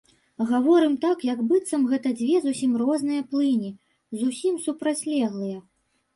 Гаворым так, як быццам гэта дзве зусім розныя плыні, зусім супрацьлеглыя.